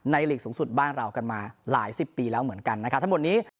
หลีกสูงสุดบ้านเรากันมาหลายสิบปีแล้วเหมือนกันนะครับทั้งหมดนี้